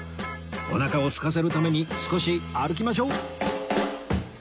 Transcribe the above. おなかをすかせるために少し歩きましょう